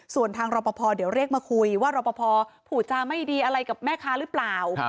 ส่วนทางรอปภเดี๋ยวเรียกมาคุยว่ารอปภผูจาไม่ดีอะไรกับแม่ค้าหรือเปล่า